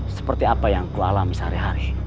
seperti apa yang ku alami sehari hari